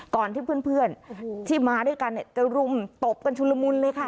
ก่อนที่เพื่อนที่มาด้วยกันจะรุมตบกันชุลมุนเลยค่ะ